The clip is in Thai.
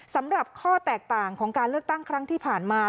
สำหรับข้อแตกต่างของการเลือกตั้งครั้งที่ผ่านมา